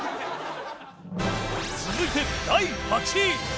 続いて第８位